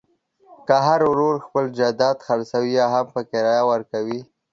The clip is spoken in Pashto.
که هر ورور خپل جایداد خرڅوي یاهم په کرایه ورکوي.